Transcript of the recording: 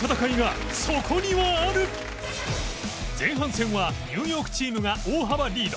前半戦はニューヨークチームが大幅リード